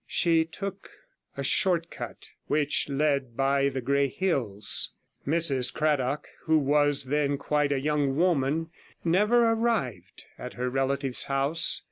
She took a short cut which led by the Grey Hills. Mrs Cradock, who was then quite a young woman, never arrived at her relative's house.